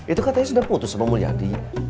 itu katanya sudah putus sama mulyadi